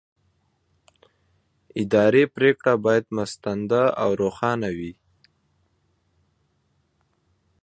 اداري پرېکړه باید مستنده او روښانه وي.